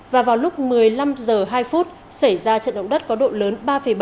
và vào lúc một mươi năm h hai xảy ra trận động đất có độ lớn ba bảy